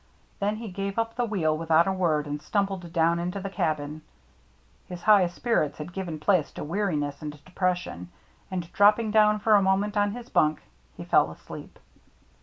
Then he gave up the wheel without a word and stum bled down into the cabin. His high spirits had given place to weariness and depression ; ii6 THE MERRT JNNE and, dropping down for a moment on his bunk, he fell asleep.